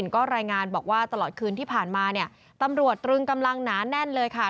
ก็รายงานบอกว่าตลอดคืนที่ผ่านมาเนี่ยตำรวจตรึงกำลังหนาแน่นเลยค่ะ